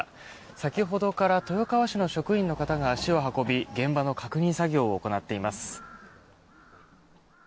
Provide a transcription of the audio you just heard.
先ほどから豊川市の職員の方が足を運び現場の確認作業を行っています。